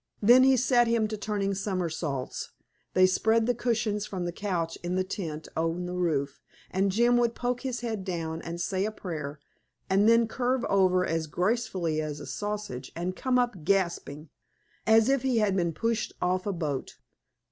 Then he set him to turning somersaults. They spread the cushions from the couch in the tent on the roof, and Jim would poke his head down and say a prayer, and then curve over as gracefully as a sausage and come up gasping, as if he had been pushed off a boat.